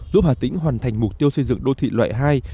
giúp hạ tỉnh hoàn thành mục tiêu xây dựng đô thị loại hai